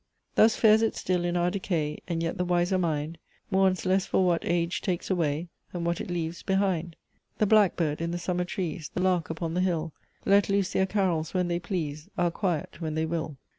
"Thus fares it still in our decay: And yet the wiser mind Mourns less for what age takes away Than what it leaves behind. The Blackbird in the summer trees, The Lark upon the hill, Let loose their carols when they please, Are quiet when they will.